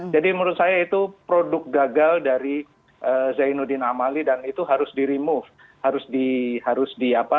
jadi menurut saya itu produk gagal dari zainuddin amalik dan itu harus di remove